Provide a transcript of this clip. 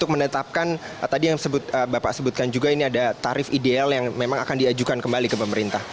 menetapkan tadi yang bapak sebutkan juga ini ada tarif ideal yang memang akan diajukan kembali ke pemerintah